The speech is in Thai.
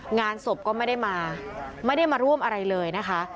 งานศพก็ไม่ได้มาไม่ได้มาร่วมอะไรเลยนะคะ